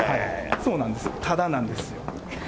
そうなんです、ただなんです。